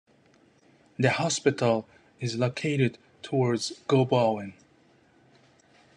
The hospital is located towards Gobowen.